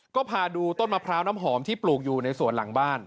ก็พาดูต้นมะพร้าวน้ำหอมที่ปลูกอยู่ในสวนหลังบ้าน